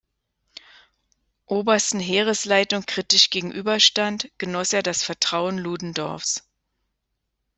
Obersten Heeresleitung kritisch gegenüberstand, genoss er das Vertrauen Ludendorffs.